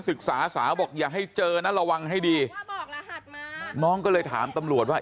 ศึกษาสาวบอกอย่าให้เจอนะระวังให้ดีน้องก็เลยถามตำรวจว่า